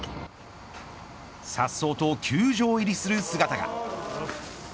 さっそうと球場入りする姿が。